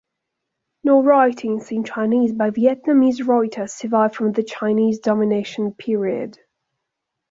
No writings in Chinese by Vietnamese writers survive from the Chinese domination period.